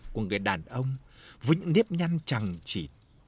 của người đàn ông vĩnh nếp nhăn chẳng chỉ